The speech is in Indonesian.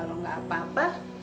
kalau enggak apa apa